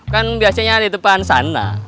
kan biasanya di depan sana